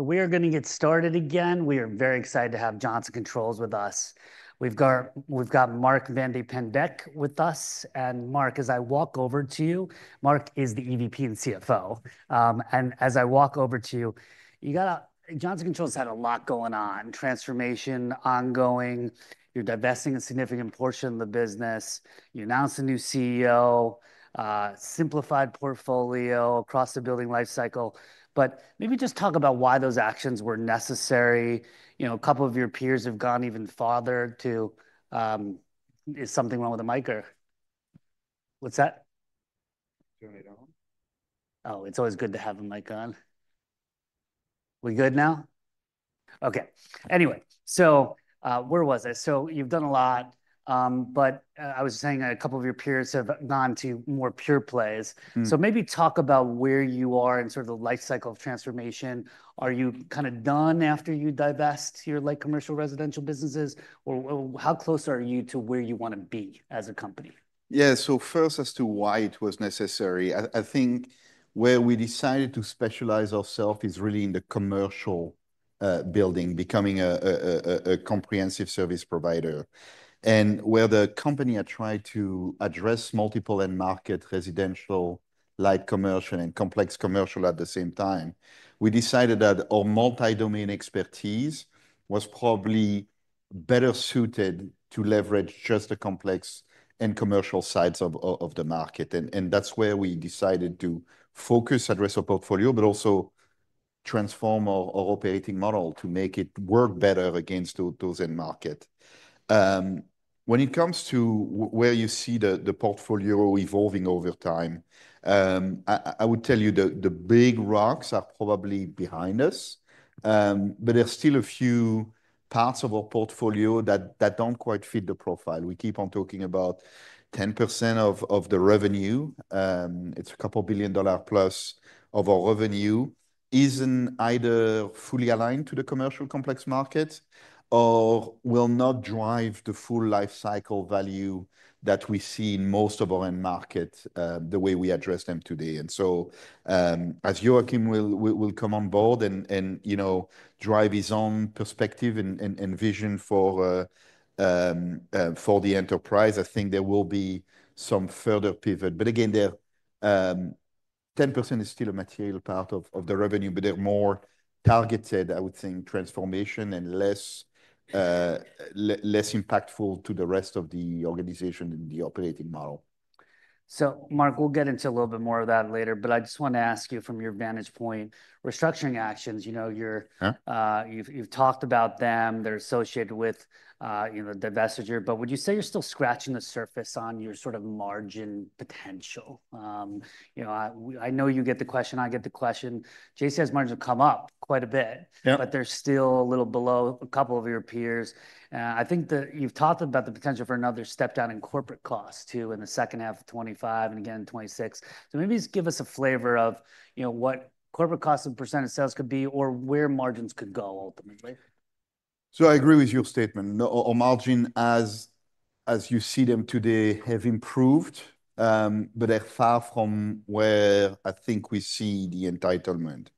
We are going to get started again. We are very excited to have Johnson Controls with us. We've got Marc Vandiepenbeeck with us, and Marc, as I walk over to you, Marc is the EVP and CFO. And as I walk over to you, you got Johnson Controls had a lot going on, transformation ongoing. You're divesting a significant portion of the business. You announced a new CEO, simplified portfolio, across the building life cycle. But maybe just talk about why those actions were necessary. You know, a couple of your peers have gone even farther to, is something wrong with the mic or what's that? Turn it on. Oh, it's always good to have a mic on. We good now? Okay. Anyway, so where was I? So you've done a lot, but I was saying a couple of your peers have gone to more pure plays. So maybe talk about where you are in sort of the life cycle of transformation. Are you kind of done after you divest your light commercial residential businesses? Or how close are you to where you want to be as a company? Yeah, so first as to why it was necessary, I think where we decided to specialize ourselves is really in the commercial building, becoming a comprehensive service provider, and where the company had tried to address multiple end markets, residential, light commercial, and complex commercial at the same time, we decided that our multi-domain expertise was probably better suited to leverage just the complex and commercial sides of the market, and that's where we decided to focus, address our portfolio, but also transform our operating model to make it work better against those end markets. When it comes to where you see the portfolio evolving over time, I would tell you the big rocks are probably behind us, but there's still a few parts of our portfolio that don't quite fit the profile. We keep on talking about 10% of the revenue. It's a couple of billion dollars plus of our revenue isn't either fully aligned to the commercial complex markets or will not drive the full life cycle value that we see in most of our end markets the way we address them today. And so as Joakim will come on board and drive his own perspective and vision for the enterprise, I think there will be some further pivot. But again, 10% is still a material part of the revenue, but they're more targeted, I would think, transformation and less impactful to the rest of the organization and the operating model. So Marc, we'll get into a little bit more of that later, but I just want to ask you from your vantage point, restructuring actions, you know, you've talked about them, they're associated with the divestiture, but would you say you're still scratching the surface on your sort of margin potential? You know, I know you get the question, I get the question. JCI margins have come up quite a bit, but they're still a little below a couple of your peers. I think that you've talked about the potential for another step down in corporate costs too in the second half of 2025 and again 2026. So maybe just give us a flavor of, you know, what corporate costs and percents of sales could be or where margins could go ultimately. So I agree with your statement. Our margin, as you see them today, have improved, but they're far from where I think we see the entitlement.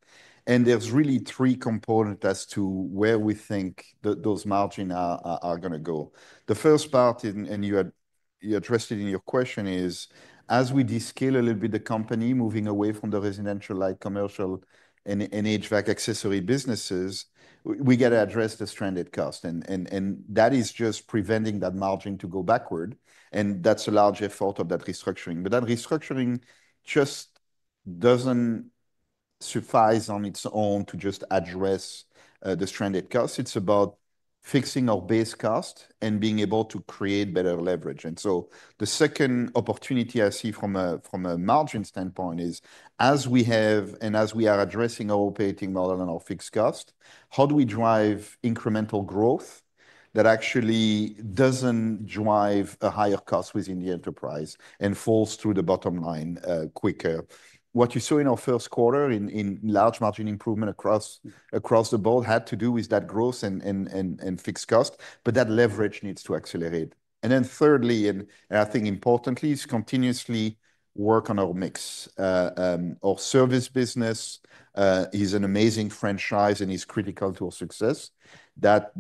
And there's really three components as to where we think those margins are going to go. The first part, and you addressed it in your question, is as we descale a little bit the company, moving away from the residential, light commercial, and HVAC accessory businesses, we got to address the stranded costs. And that is just preventing that margin to go backward. And that's a large effort of that restructuring. But that restructuring just doesn't suffice on its own to just address the stranded costs. It's about fixing our base costs and being able to create better leverage. And so the second opportunity I see from a margin standpoint is as we have and as we are addressing our operating model and our fixed costs, how do we drive incremental growth that actually doesn't drive a higher cost within the enterprise and falls through the bottom line quicker? What you saw in our first quarter in large margin improvement across the board had to do with that growth and fixed costs, but that leverage needs to accelerate. And then thirdly, and I think importantly, is continuously work on our mix. Our service business is an amazing franchise and is critical to our success. That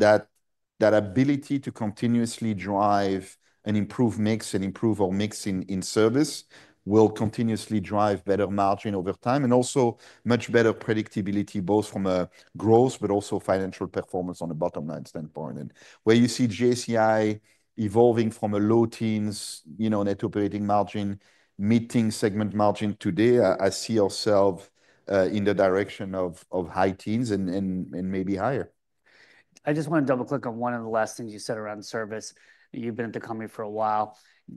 ability to continuously drive and improve mix and improve our mix in service will continuously drive better margin over time and also much better predictability both from a growth, but also financial performance on a bottom line standpoint. Where you see JCI evolving from a low teens, you know, net operating margin to segment margin today, I see ourselves in the direction of high teens and maybe higher. I just want to double click on one of the last things you said around service. You've been at the company for a while.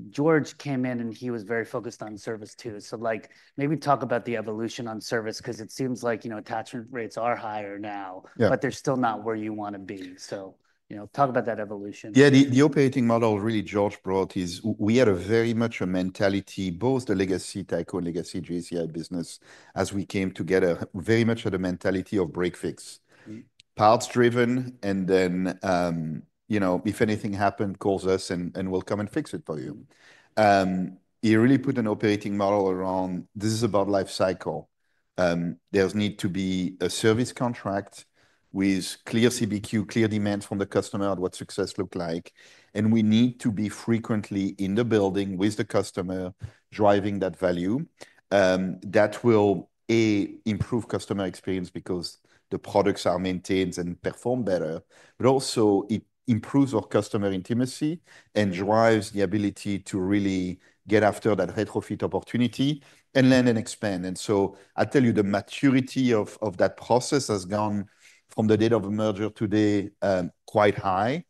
George came in and he was very focused on service too. So like maybe talk about the evolution on service because it seems like, you know, attachment rates are higher now, but they're still not where you want to be. So, you know, talk about that evolution. Yeah, the operating model really George brought is we had very much a mentality, both the Legacy Tyco, Legacy JCI business, as we came together, very much had a mentality of break-fix, parts driven, and then, you know, if anything happened, calls us and we'll come and fix it for you. He really put an operating model around this is about life cycle. There needs to be a service contract with clear CTQ, clear demands from the customer on what success looks like. And we need to be frequently in the building with the customer driving that value. That will improve customer experience because the products are maintained and perform better, but also it improves our customer intimacy and drives the ability to really get after that retrofit opportunity and then expand. And so I'll tell you the maturity of that process has gone from the date of the merger today quite high,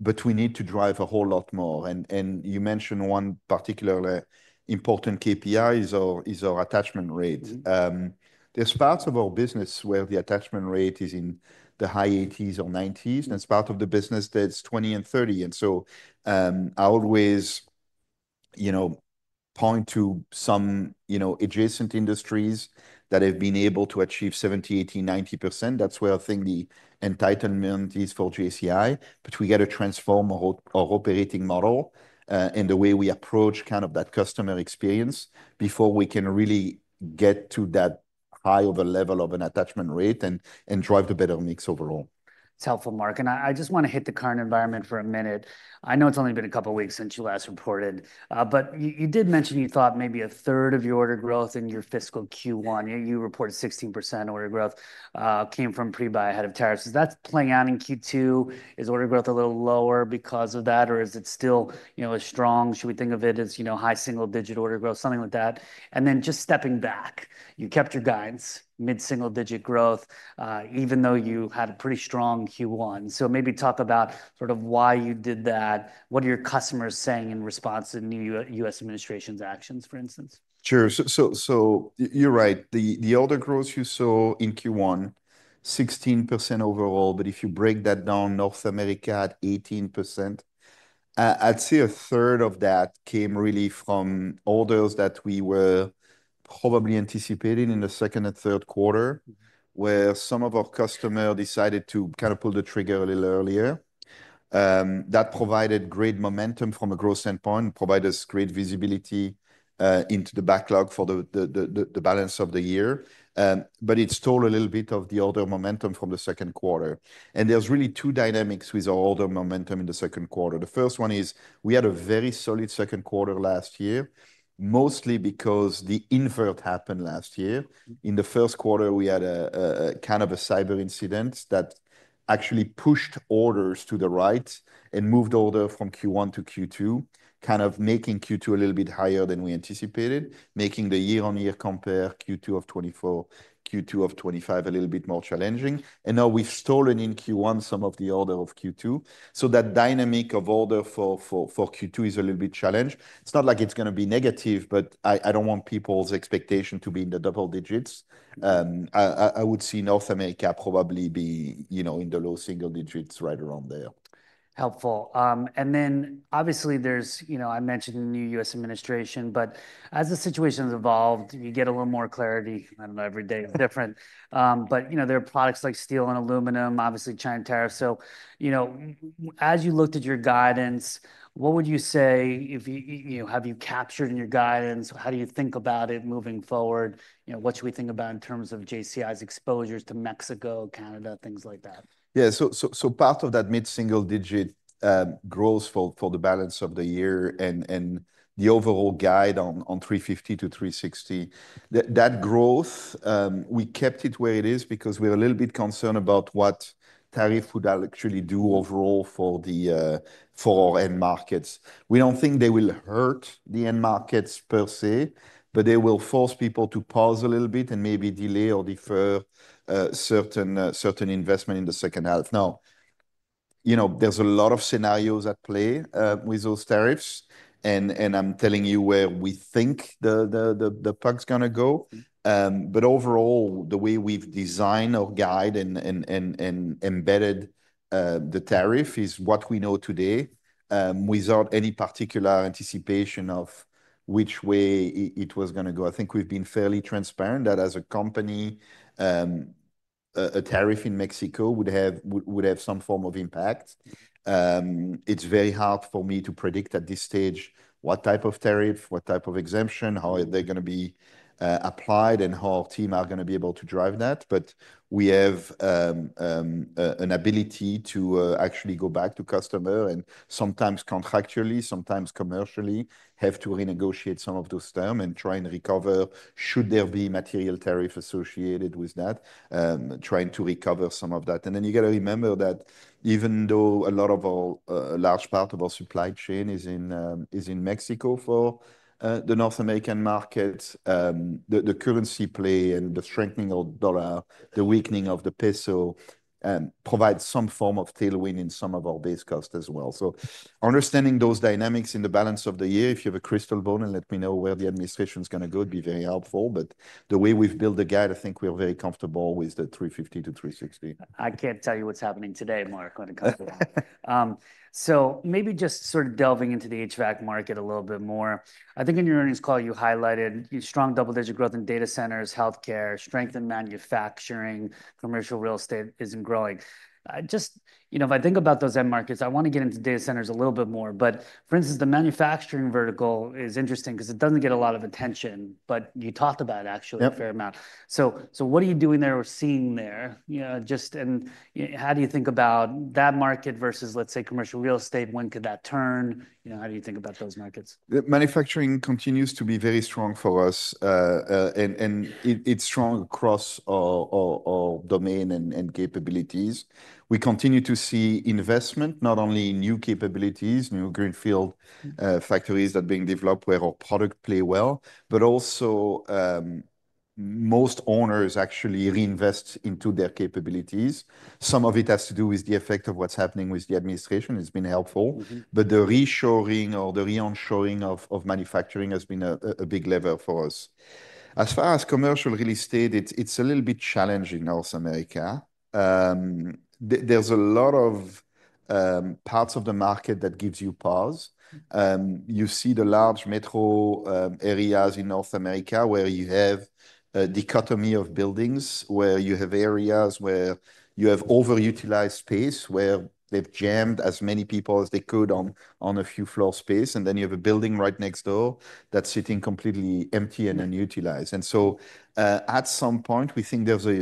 but we need to drive a whole lot more. And you mentioned one particularly important KPI is our attachment rate. There's parts of our business where the attachment rate is in the high 80s or 90s, and it's part of the business that's 20 and 30. So I always, you know, point to some, you know, adjacent industries that have been able to achieve 70%, 80%, 90%. That's where I think the entitlement is for JCI, but we got to transform our operating model and the way we approach kind of that customer experience before we can really get to that high of a level of an attachment rate and drive the better mix overall. It's helpful, Marc. And I just want to hit the current environment for a minute. I know it's only been a couple of weeks since you last reported, but you did mention you thought maybe a third of your order growth in your fiscal Q1, you reported 16% order growth came from pre-buy ahead of tariffs. Is that playing out in Q2? Is order growth a little lower because of that, or is it still, you know, a strong, should we think of it as, you know, high single digit order growth, something like that? And then just stepping back, you kept your guidance mid single digit growth, even though you had a pretty strong Q1. So maybe talk about sort of why you did that. What are your customers saying in response to the new U.S. administration's actions, for instance? Sure. So you're right. The order growth you saw in Q1, 16% overall, but if you break that down, North America at 18%, I'd say a third of that came really from orders that we were probably anticipating in the second and third quarter, where some of our customers decided to kind of pull the trigger a little earlier. That provided great momentum from a growth standpoint, provided us great visibility into the backlog for the balance of the year, but it stole a little bit of the order momentum from the second quarter. And there's really two dynamics with our order momentum in the second quarter. The first one is we had a very solid second quarter last year, mostly because the invert happened last year. In the first quarter, we had a kind of a cyber incident that actually pushed orders to the right and moved order from Q1 to Q2, kind of making Q2 a little bit higher than we anticipated, making the year-on-year compare Q2 of 2024, Q2 of 2025 a little bit more challenging. And now we've stolen in Q1 some of the order of Q2. So that dynamic of order for Q2 is a little bit challenged. It's not like it's going to be negative, but I don't want people's expectation to be in the double digits. I would see North America probably be, you know, in the low single digits right around there. Helpful. And then obviously there's, you know, I mentioned the new U.S. administration, but as the situation has evolved, you get a little more clarity. I don't know, every day is different. But, you know, there are products like steel and aluminum, obviously China tariffs. So, you know, as you looked at your guidance, what would you say, have you captured in your guidance? How do you think about it moving forward? You know, what should we think about in terms of JCI's exposures to Mexico, Canada, things like that? Yeah, so part of that mid single digit growth for the balance of the year and the overall guide on 350 to 360, that growth, we kept it where it is because we're a little bit concerned about what tariff would actually do overall for our end markets. We don't think they will hurt the end markets per se, but they will force people to pause a little bit and maybe delay or defer certain investment in the second half. Now, you know, there's a lot of scenarios at play with those tariffs. And I'm telling you where we think the puck's going to go. But overall, the way we've designed our guide and embedded the tariff is what we know today without any particular anticipation of which way it was going to go. I think we've been fairly transparent that as a company, a tariff in Mexico would have some form of impact. It's very hard for me to predict at this stage what type of tariff, what type of exemption, how they're going to be applied and how our team are going to be able to drive that. But we have an ability to actually go back to customer and sometimes contractually, sometimes commercially have to renegotiate some of those terms and try and recover should there be material tariff associated with that, trying to recover some of that. You got to remember that even though a lot of our large part of our supply chain is in Mexico for the North American markets, the currency play and the strengthening of the dollar, the weakening of the peso provides some form of tailwind in some of our base costs as well. Understanding those dynamics in the balance of the year, if you have a crystal ball and let me know where the administration's going to go, it'd be very helpful. The way we've built the guide, I think we're very comfortable with the 350 to 360. I can't tell you what's happening today, Marc, when it comes to that. So maybe just sort of delving into the HVAC market a little bit more. I think in your earnings call, you highlighted strong double digit growth in data centers, healthcare, strength in manufacturing, commercial real estate isn't growing. Just, you know, if I think about those end markets, I want to get into data centers a little bit more, but for instance, the manufacturing vertical is interesting because it doesn't get a lot of attention, but you talked about it actually a fair amount. So what are you doing there or seeing there? Just, and how do you think about that market versus, let's say, commercial real estate? When could that turn? You know, how do you think about those markets? Manufacturing continues to be very strong for us, and it's strong across our domain and capabilities. We continue to see investment, not only in new capabilities, new greenfield factories that are being developed where our product plays well, but also most owners actually reinvest into their capabilities. Some of it has to do with the effect of what's happening with the administration. It's been helpful, but the reshoring or the re-onshoring of manufacturing has been a big lever for us. As far as commercial real estate, it's a little bit challenging in North America. There's a lot of parts of the market that give you pause. You see the large metro areas in North America where you have dichotomy of buildings, where you have areas where you have over-utilized space, where they've jammed as many people as they could on a few floor space, and then you have a building right next door that's sitting completely empty and unutilized. And so at some point, we think there's a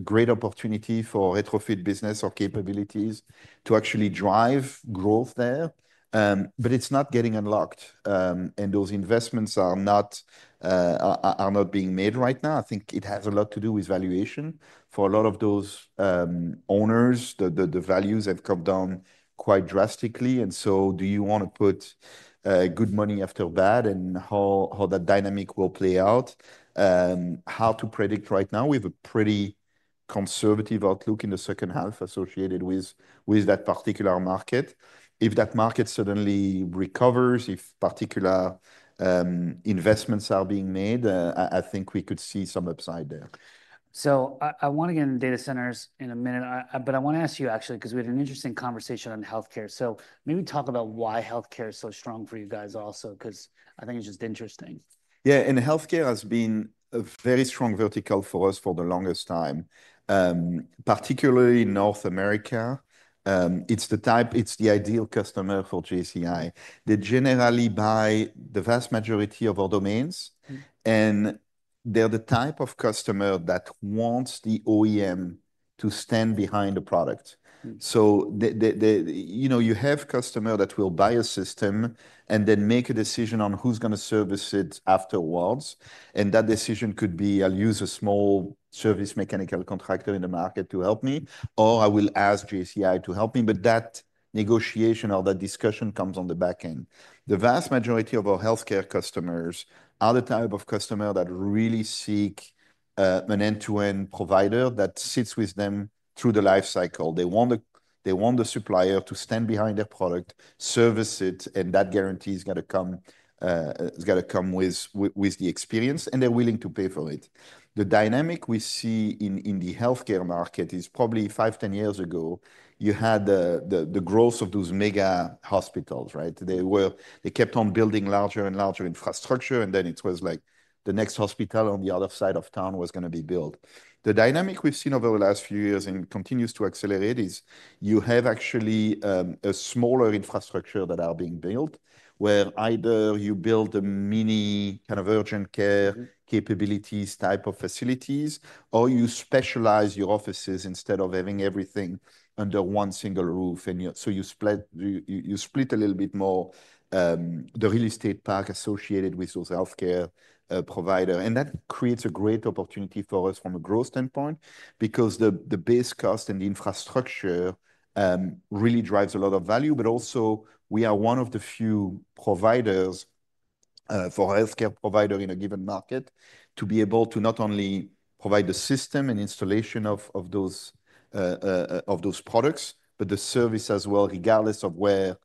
great opportunity for retrofit business or capabilities to actually drive growth there, but it's not getting unlocked. And those investments are not being made right now. I think it has a lot to do with valuation. For a lot of those owners, the values have come down quite drastically. And so do you want to put good money after bad and how that dynamic will play out? How to predict right now? We have a pretty conservative outlook in the second half associated with that particular market. If that market suddenly recovers, if particular investments are being made, I think we could see some upside there. So I want to get into data centers in a minute, but I want to ask you actually, because we had an interesting conversation on healthcare. So maybe talk about why healthcare is so strong for you guys also, because I think it's just interesting. Yeah, and healthcare has been a very strong vertical for us for the longest time, particularly in North America. It's the type, it's the ideal customer for JCI. They generally buy the vast majority of our domains, and they're the type of customer that wants the OEM to stand behind the product. So, you know, you have customers that will buy a system and then make a decision on who's going to service it afterwards. And that decision could be, I'll use a small service mechanical contractor in the market to help me, or I will ask JCI to help me, but that negotiation or that discussion comes on the back end. The vast majority of our healthcare customers are the type of customers that really seek an end-to-end provider that sits with them through the life cycle. They want the supplier to stand behind their product, service it, and that guarantee is going to come, is going to come with the experience, and they're willing to pay for it. The dynamic we see in the healthcare market is probably five, 10 years ago, you had the growth of those mega hospitals, right? They kept on building larger and larger infrastructure, and then it was like the next hospital on the other side of town was going to be built. The dynamic we've seen over the last few years and continues to accelerate is you have actually a smaller infrastructure that is being built, where either you build a mini kind of urgent care capabilities type of facilities, or you specialize your offices instead of having everything under one single roof, and so you split a little bit more the real estate footprint associated with those healthcare providers. And that creates a great opportunity for us from a growth standpoint because the base cost and the infrastructure really drives a lot of value, but also we are one of the few providers for healthcare providers in a given market to be able to not only provide the system and installation of those products, but the service as well, regardless of where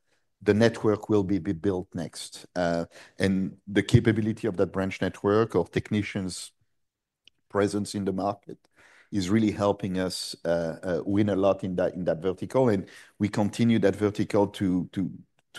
the network will be built next. And the capability of that branch network or technicians' presence in the market is really helping us win a lot in that vertical. And we continue that vertical to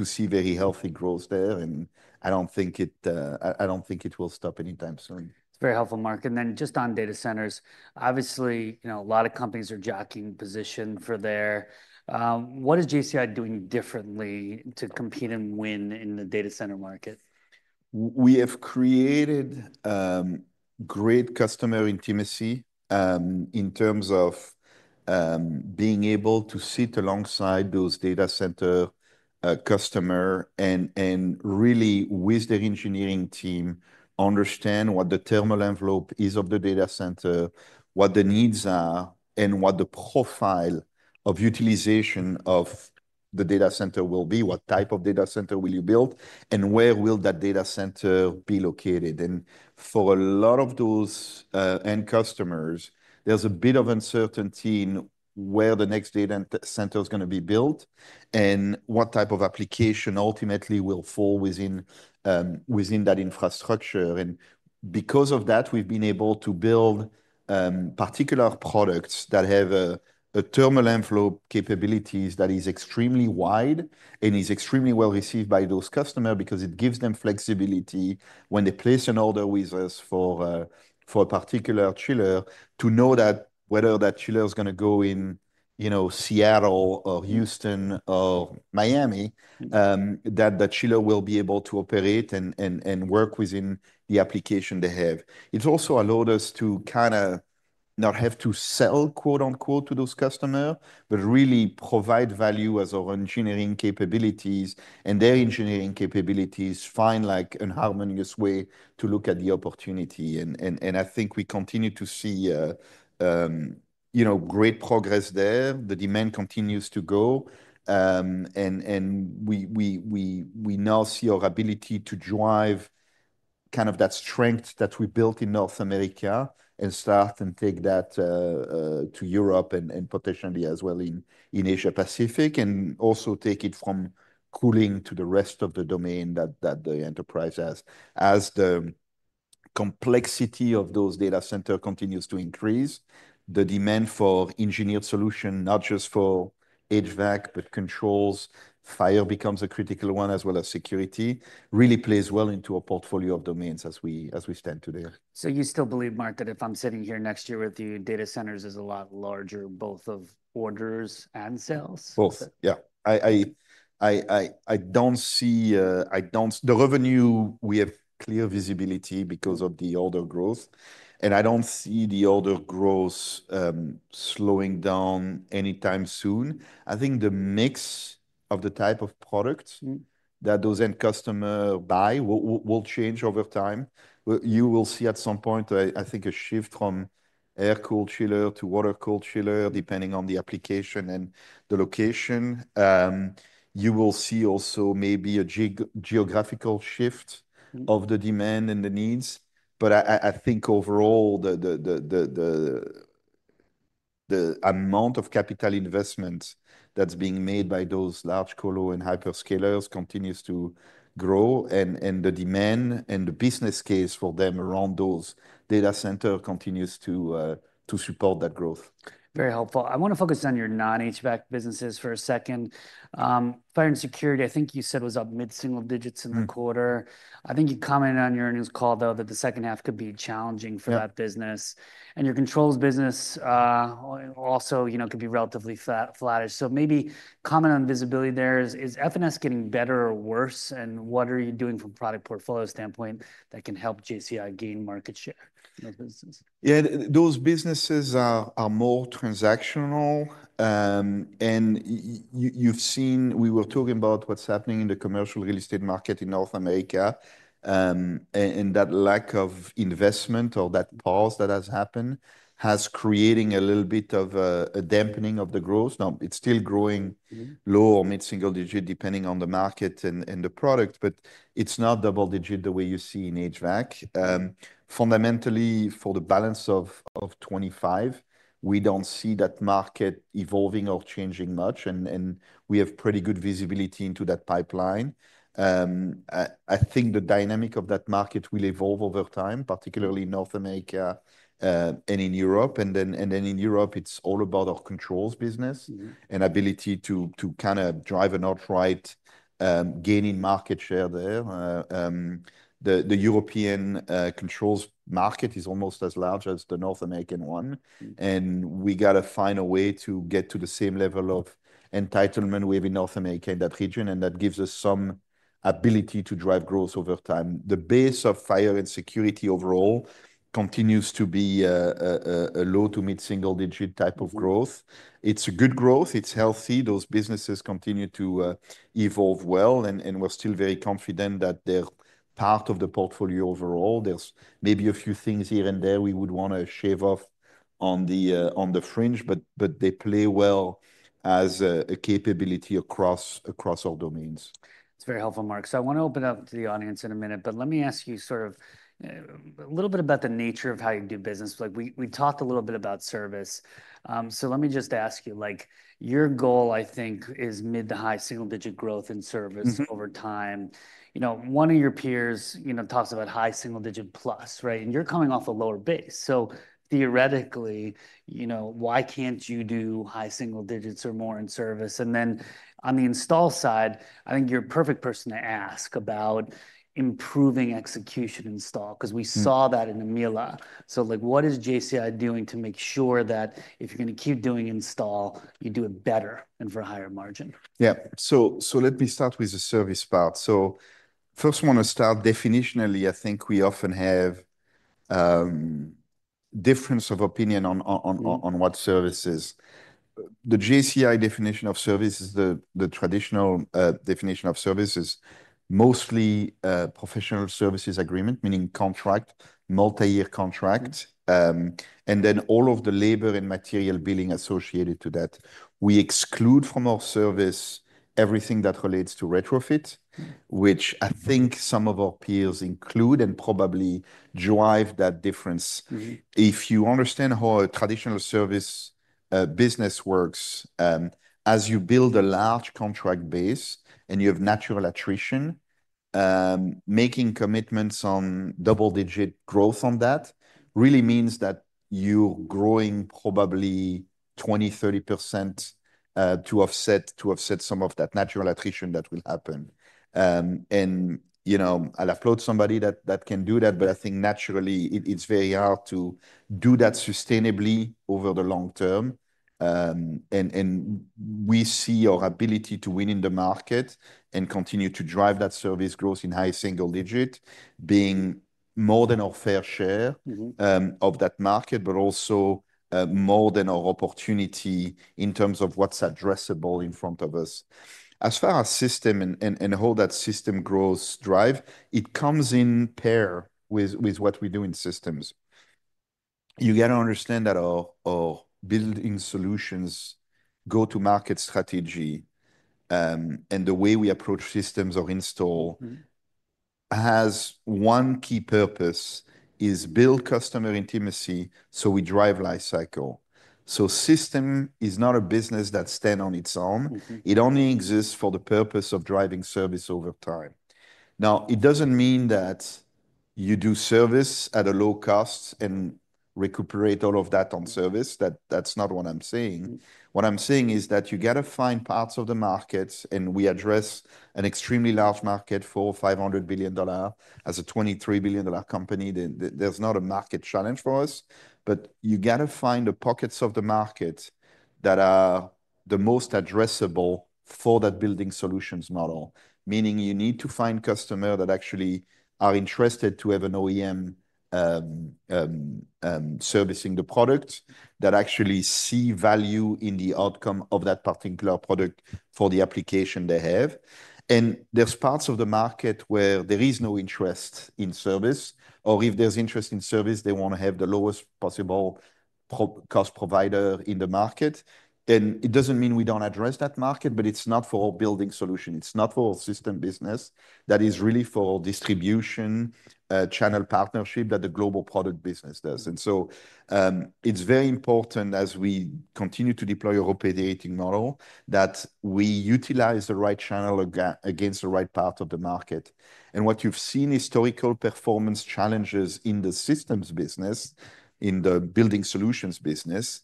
see very healthy growth there, and I don't think it will stop anytime soon. It's very helpful, Marc. And then just on data centers, obviously, you know, a lot of companies are jockeying for position there. What is JCI doing differently to compete and win in the data center market? We have created great customer intimacy in terms of being able to sit alongside those data center customers and really with their engineering team understand what the thermal envelope is of the data center, what the needs are, and what the profile of utilization of the data center will be, what type of data center will you build, and where will that data center be located, and for a lot of those end customers, there's a bit of uncertainty in where the next data center is going to be built and what type of application ultimately will fall within that infrastructure. And because of that, we've been able to build particular products that have a thermal envelope capabilities that is extremely wide and is extremely well received by those customers because it gives them flexibility when they place an order with us for a particular chiller to know that whether that chiller is going to go in, you know, Seattle or Houston or Miami, that the chiller will be able to operate and work within the application they have. It's also allowed us to kind of not have to sell, quote unquote, to those customers, but really provide value as our engineering capabilities and their engineering capabilities find like a harmonious way to look at the opportunity. And I think we continue to see, you know, great progress there. The demand continues to go. And we now see our ability to drive kind of that strength that we built in North America and start and take that to Europe and potentially as well in Asia Pacific and also take it from cooling to the rest of the domain that the enterprise has. As the complexity of those data centers continues to increase, the demand for engineered solutions, not just for HVAC, but controls, fire, becomes a critical one as well as security really plays well into our portfolio of domains as we stand today. You still believe, Marc, that if I'm sitting here next year with you, data centers is a lot larger, both of orders and sales? Both, yeah. I don't see the revenue. We have clear visibility because of the order growth, and I don't see the order growth slowing down anytime soon. I think the mix of the type of products that those end customers buy will change over time. You will see at some point, I think, a shift from air-cooled chiller to water-cooled chiller depending on the application and the location. You will see also maybe a geographical shift of the demand and the needs, but I think overall, the amount of capital investment that's being made by those large colo and hyperscalers continues to grow, and the demand and the business case for them around those data centers continues to support that growth. Very helpful. I want to focus on your non-HVAC businesses for a second. Fire and security, I think you said was up mid-single digits in the quarter. I think you commented on your earnings call, though, that the second half could be challenging for that business. And your controls business also, you know, could be relatively flattish. So maybe comment on visibility there. Is F&S getting better or worse? And what are you doing from a product portfolio standpoint that can help JCI gain market share in the business? Yeah, those businesses are more transactional. And you've seen, we were talking about what's happening in the commercial real estate market in North America, and that lack of investment or that pause that has happened has created a little bit of a dampening of the growth. Now, it's still growing low or mid-single-digit depending on the market and the product, but it's not double-digit the way you see in HVAC. Fundamentally, for the balance of 2025, we don't see that market evolving or changing much, and we have pretty good visibility into that pipeline. I think the dynamic of that market will evolve over time, particularly in North America and in Europe. And then in Europe, it's all about our controls business and ability to kind of drive an outright gain in market share there. The European controls market is almost as large as the North American one, and we got to find a way to get to the same level of entitlement we have in North America in that region, and that gives us some ability to drive growth over time. The base of fire and security overall continues to be a low to mid-single digit type of growth. It's a good growth. It's healthy. Those businesses continue to evolve well, and we're still very confident that they're part of the portfolio overall. There's maybe a few things here and there we would want to shave off on the fringe, but they play well as a capability across our domains. It's very helpful, Marc. So I want to open it up to the audience in a minute, but let me ask you sort of a little bit about the nature of how you do business. Like we've talked a little bit about service. So let me just ask you, like your goal, I think, is mid- to high-single-digit growth in service over time. You know, one of your peers, you know, talks about high-single-digit plus, right? And you're coming off a lower base. So theoretically, you know, why can't you do high-single-digits or more in service? And then on the install side, I think you're a perfect person to ask about improving execution install because we saw that in EMEALA. Like what is JCI doing to make sure that if you're going to keep doing install, you do it better and for a higher margin? Yeah, so let me start with the service part. So first, I want to start definitionally. I think we often have differences of opinion on what services. The JCI definition of service is the traditional definition of services, mostly professional services agreement, meaning contract, multi-year contract, and then all of the labor and material billing associated to that. We exclude from our service everything that relates to retrofit, which I think some of our peers include and probably drive that difference. If you understand how a traditional service business works, as you build a large contract base and you have natural attrition, making commitments on double-digit growth on that really means that you're growing probably 20%-30% to offset some of that natural attrition that will happen. And you know, I'll applaud somebody that can do that, but I think naturally it's very hard to do that sustainably over the long term. And we see our ability to win in the market and continue to drive that service growth in high single digit being more than our fair share of that market, but also more than our opportunity in terms of what's addressable in front of us. As far as system and how that system grows drive, it comes in pair with what we do in systems. You got to understand that our Building Solutions, go-to-market strategy, and the way we approach systems or install has one key purpose: build customer intimacy so we drive life cycle. So system is not a business that stands on its own. It only exists for the purpose of driving service over time. Now, it doesn't mean that you do service at a low cost and recuperate all of that on service. That's not what I'm saying. What I'm saying is that you got to find parts of the markets, and we address an extremely large market, $400-$500 billion as a $23 billion company. There's not a market challenge for us, but you got to find the pockets of the market that are the most addressable for that Building Solutions model. Meaning you need to find customers that actually are interested to have an OEM servicing the product that actually see value in the outcome of that particular product for the application they have. There's parts of the market where there is no interest in service, or if there's interest in service, they want to have the lowest possible cost provider in the market, and it doesn't mean we don't address that market, but it's not for our building solution. It's not for our system business. That is really for our distribution the Global Products business does. So, it's very important as we continue to deploy our operating model that we utilize the right channel against the right part of the market. And what you've seen is historical performance challenges in the systems business, in the Building Solutions business.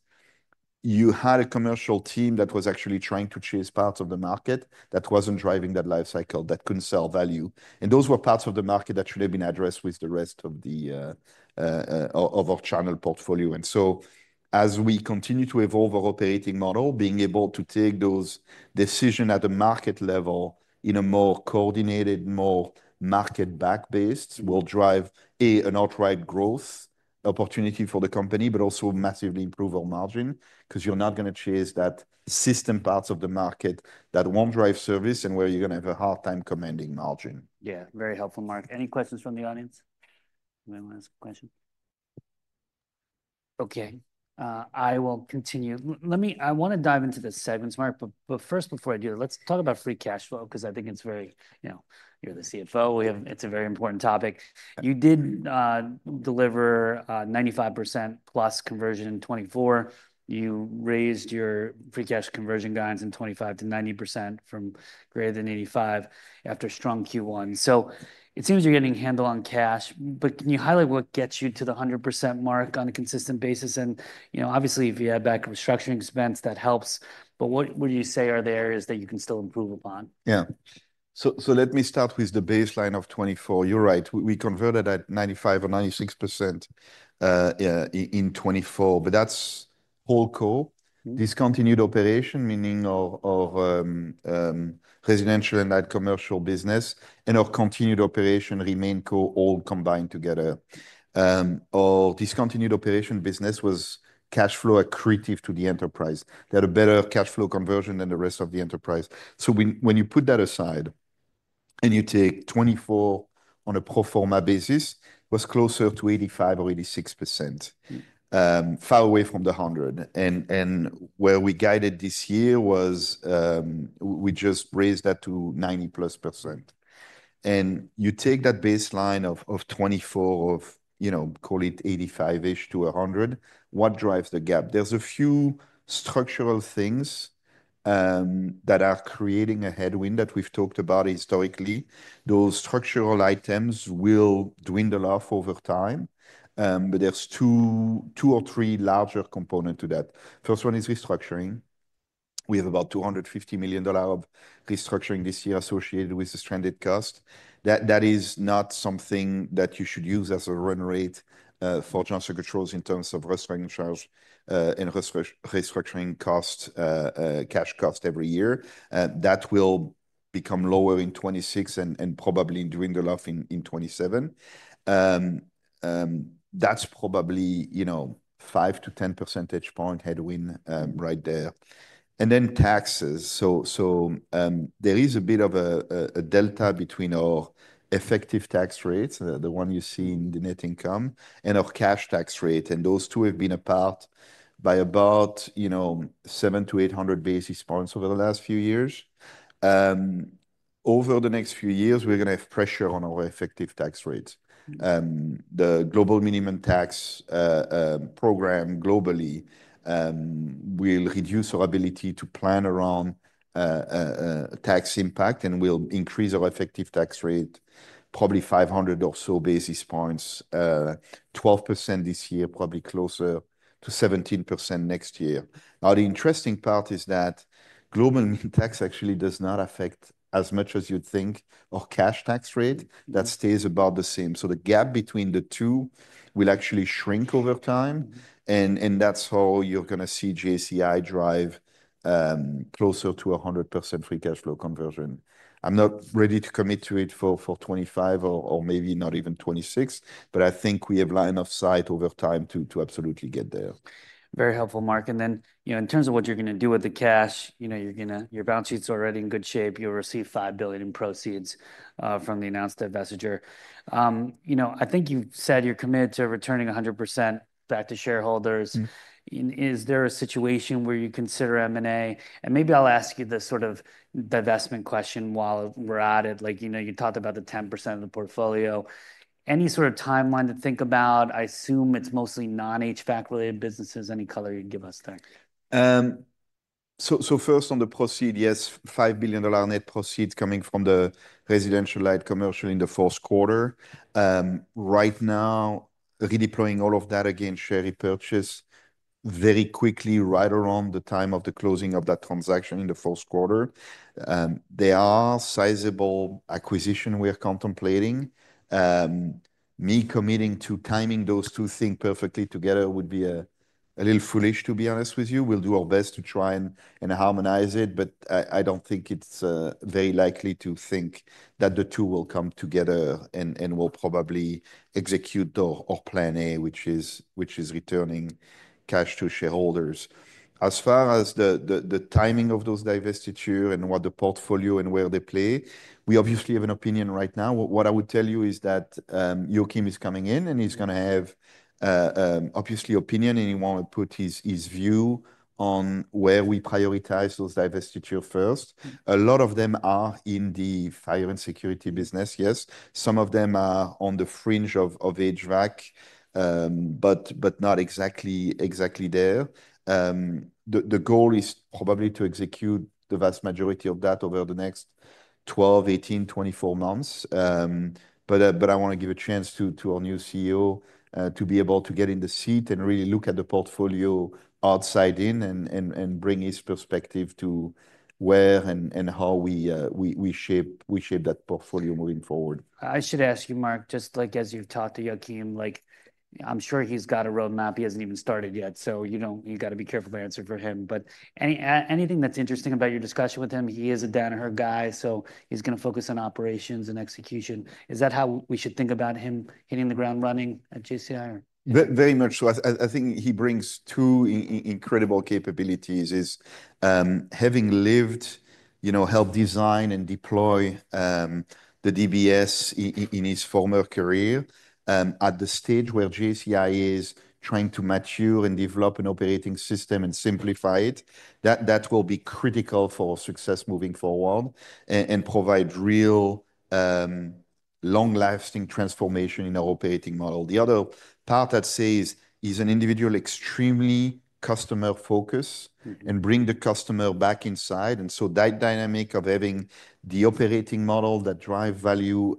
You had a commercial team that was actually trying to chase parts of the market that wasn't driving that life cycle, that couldn't sell value. And those were parts of the market that should have been addressed with the rest of our channel portfolio. And so as we continue to evolve our operating model, being able to take those decisions at the market level in a more coordinated, more market-backed base will drive an outright growth opportunity for the company, but also massively improve our margin because you're not going to chase that system parts of the market that won't drive service and where you're going to have a hard time commanding margin. Yeah, very helpful, Marc. Any questions from the audience? Any last question? Okay, I will continue. I want to dive into the segments, Marc, but first, before I do that, let's talk about free cash flow because I think it's very, you know, you're the CFO. It's a very important topic. You did deliver 95% plus conversion in 2024. You raised your free cash conversion guidance in 2025 to 90% from greater than 85% after strong Q1. So it seems you're getting a handle on cash, but can you highlight what gets you to the 100% Marc on a consistent basis? And you know, obviously, if you have backup restructuring expense, that helps, but what would you say are the areas that you can still improve upon? Yeah, so let me start with the baseline of 2024. You're right. We converted at 95% or 96% in 2024, but that's whole core discontinued operation, meaning our residential and light commercial business and our continued operation remain core all combined together. Our discontinued operation business was cash flow accretive to the enterprise. They had a better cash flow conversion than the rest of the enterprise. So when you put that aside and you take 2024 on a pro forma basis, it was closer to 85% or 86%, far away from the 100%. And where we guided this year was we just raised that to 90% plus. And you take that baseline of 2024 of, you know, call it 85%-ish to 100%, what drives the gap? There's a few structural things that are creating a headwind that we've talked about historically. Those structural items will dwindle off over time, but there's two or three larger components to that. First one is restructuring. We have about $250 million of restructuring this year associated with the stranded cost. That is not something that you should use as a run rate for Johnson Controls in terms of restructuring charges and restructuring costs, cash costs every year. That will become lower in 2026 and probably dwindle off in 2027. That's probably, you know, 5-10 percentage point headwind right there. And then taxes. So there is a bit of a delta between our effective tax rates, the one you see in the net income, and our cash tax rate. And those two have been apart by about, you know, 700-800 basis points over the last few years. Over the next few years, we're going to have pressure on our effective tax rates. The global minimum tax program globally will reduce our ability to plan around tax impact and will increase our effective tax rate probably 500 or so basis points, 12% this year, probably closer to 17% next year. Now, the interesting part is that global tax actually does not affect as much as you'd think our cash tax rate. That stays about the same. So the gap between the two will actually shrink over time, and that's how you're going to see JCI drive closer to 100% free cash flow conversion. I'm not ready to commit to it for 2025 or maybe not even 2026, but I think we have line of sight over time to absolutely get there. Very helpful, Marc. And then, you know, in terms of what you're going to do with the cash, you know, you're going to, your balance sheet's already in good shape. You'll receive $5 billion in proceeds from the announced divestiture. You know, I think you've said you're committed to returning 100% back to shareholders. Is there a situation where you consider M&A? And maybe I'll ask you this sort of divestment question while we're at it. Like, you know, you talked about the 10% of the portfolio. Any sort of timeline to think about? I assume it's mostly non-HVAC related businesses. Any color you'd give us there? So first on the proceeds, yes, $5 billion net proceeds coming from the residential light commercial in the fourth quarter. Right now, redeploying all of that against share repurchase very quickly right around the time of the closing of that transaction in the fourth quarter. There are sizable acquisitions we're contemplating. Me committing to timing those two things perfectly together would be a little foolish, to be honest with you. We'll do our best to try and harmonize it, but I don't think it's very likely to think that the two will come together and will probably execute our plan A, which is returning cash to shareholders. As far as the timing of those divestitures and what the portfolio and where they play, we obviously have an opinion right now. What I would tell you is that Joakim is coming in and he's going to have obviously opinion and he want to put his view on where we prioritize those divestitures first. A lot of them are in the fire and security business, yes. Some of them are on the fringe of HVAC, but not exactly there. The goal is probably to execute the vast majority of that over the next 12, 18, 24 months. But I want to give a chance to our new CEO to be able to get in the seat and really look at the portfolio outside in and bring his perspective to where and how we shape that portfolio moving forward. I should ask you, Marc, just like as you've talked to Joakim, like I'm sure he's got a roadmap. He hasn't even started yet. So you got to be careful of the answer for him. But anything that's interesting about your discussion with him? He is a Danaher guy, so he's going to focus on operations and execution. Is that how we should think about him hitting the ground running at JCI? Very much so. I think he brings two incredible capabilities. Having lived, you know, helped design and deploy the DBS in his former career at the stage where JCI is trying to mature and develop an operating system and simplify it, that will be critical for our success moving forward and provide real long-lasting transformation in our operating model. The other part I'd say is an individual extremely customer-focused and bring the customer back inside, and so that dynamic of having the operating model that drives value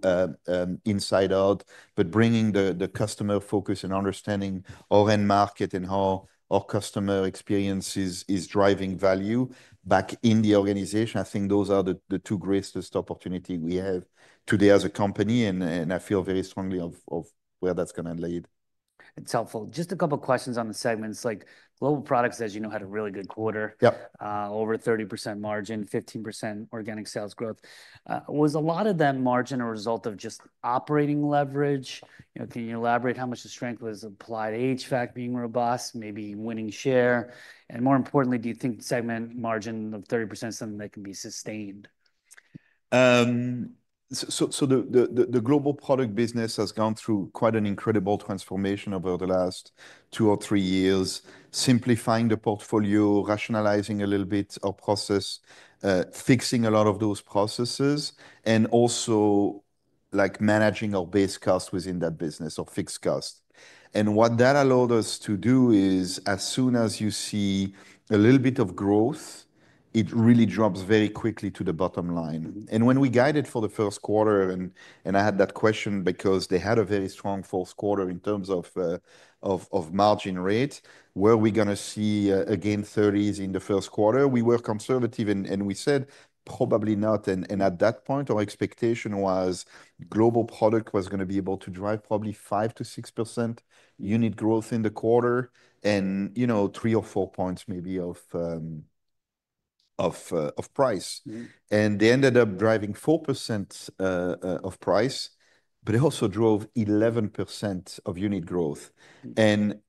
inside out, but bringing the customer focus and understanding our end market and how our customer experience is driving value back in the organization. I think those are the two greatest opportunities we have today as a company, and I feel very strongly of where that's going to lead. It's helpful. Just a couple of questions on the Global Products, as you know, had a really good quarter, over 30% margin, 15% organic sales growth. Was a lot of that margin a result of just operating leverage? Can you elaborate how much the strength was applied? HVAC being robust, maybe winning share, and more importantly, do you think segment margin of 30% is something that can be sustained? Global Products business has gone through quite an incredible transformation over the last two or three years, simplifying the portfolio, rationalizing a little bit our process, fixing a lot of those processes, and also like managing our base cost within that business, our fixed cost. What that allowed us to do is as soon as you see a little bit of growth, it really drops very quickly to the bottom line. When we guided for the first quarter, and I had that question because they had a very strong fourth quarter in terms of margin rate, were we going to see again 30s in the first quarter? We were conservative and we said probably not. And at that point, our expectation Global Products was going to be able to drive probably 5%-6% unit growth in the quarter and, you know, three or four points maybe of price. And they ended up driving 4% of price, but it also drove 11% of unit growth. And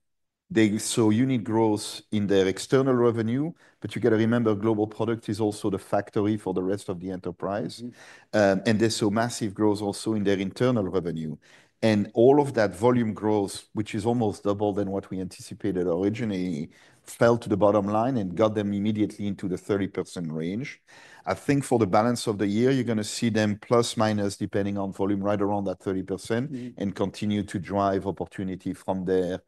they saw unit growth in their external revenue, but you got to Global Products is also the factory for the rest of the enterprise. And all of that volume growth, which is almost double than what we anticipated originally, fell to the bottom line and got them immediately into the 30% range. I think for the balance of the year, you're going to see them plus minus depending on volume right around that 30% and continue to drive opportunity from there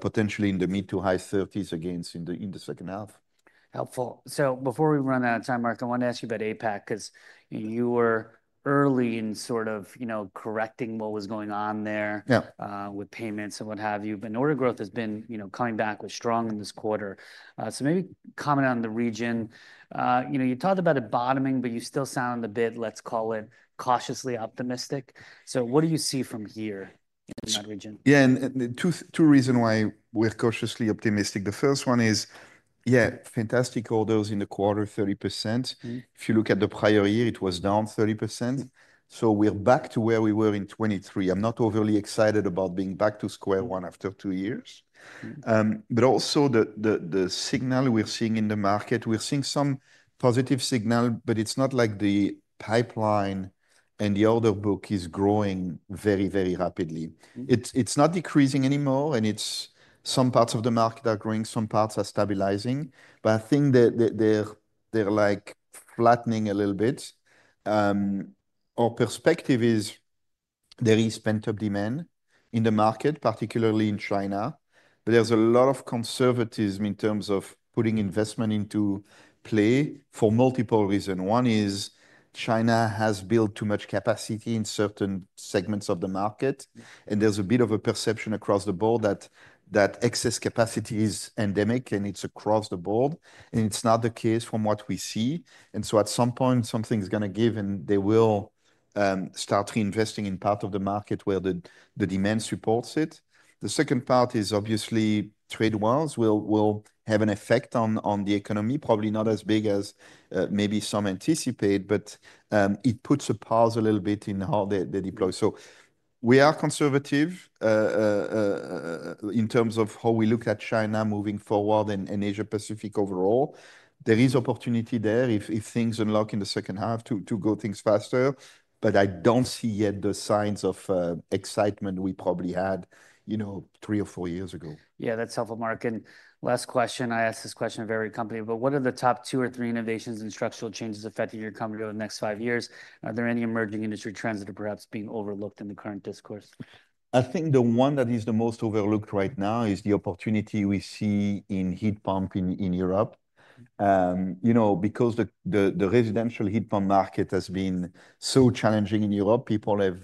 potentially in the mid to high 30s again in the second half. Helpful. So before we run out of time, Marc, I wanted to ask you about APAC because you were early in sort of, you know, correcting what was going on there with payments and what have you. But organic growth has been, you know, coming back strong in this quarter. So maybe comment on the region. You know, you talked about it bottoming, but you still sound a bit, let's call it cautiously optimistic. So what do you see from here in that region? Yeah, and two reasons why we're cautiously optimistic. The first one is, yeah, fantastic orders in the quarter, 30%. If you look at the prior year, it was down 30%. So we're back to where we were in 2023. I'm not overly excited about being back to square one after two years. But also the signal we're seeing in the market, we're seeing some positive signal, but it's not like the pipeline and the order book is growing very, very rapidly. It's not decreasing anymore and some parts of the market are growing, some parts are stabilizing. But I think they're like flattening a little bit. Our perspective is there is pent-up demand in the market, particularly in China. But there's a lot of conservatism in terms of putting investment into play for multiple reasons. One is China has built too much capacity in certain segments of the market. There's a bit of a perception across the board that excess capacity is endemic and it's across the board. It's not the case from what we see. So at some point, something's going to give and they will start reinvesting in part of the market where the demand supports it. The second part is obviously trade wars will have an effect on the economy, probably not as big as maybe some anticipate, but it puts a pause a little bit in how they deploy. We are conservative in terms of how we look at China moving forward and Asia-Pacific overall. There is opportunity there if things unlock in the second half to go things faster. But I don't see yet the signs of excitement we probably had, you know, three or four years ago. Yeah, that's helpful, Marc. And last question, I asked this question very commonly, but what are the top two or three innovations and structural changes affecting your company over the next five years? Are there any emerging industry trends that are perhaps being overlooked in the current discourse? I think the one that is the most overlooked right now is the opportunity we see in heat pump in Europe. You know, because the residential heat pump market has been so challenging in Europe, people have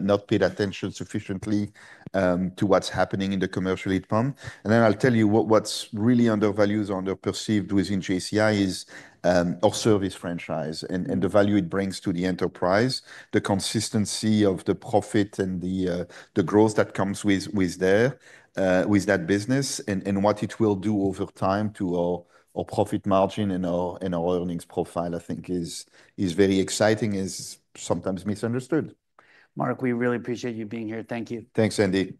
not paid attention sufficiently to what's happening in the commercial heat pump, and then I'll tell you what's really undervalued or underperceived within JCI is our service franchise and the value it brings to the enterprise. The consistency of the profit and the growth that comes with that business and what it will do over time to our profit margin and our earnings profile, I think is very exciting, is sometimes misunderstood. Marc, we really appreciate you being here. Thank you. Thanks, Andy.